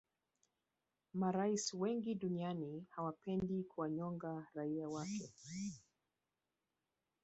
marais wengi duniani hawapendi kuwanyonga raia wake